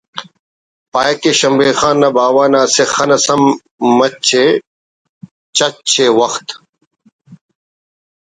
پاہک کہ شمبے خان نا باوہ نا اسہ خن اس ہم مچے چِچ ءِ وخت